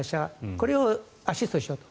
これをアシストしようと。